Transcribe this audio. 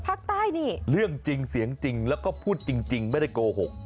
ภาคใต้นี่เรื่องจริงเสียงจริงแล้วก็พูดจริงไม่ได้โกหก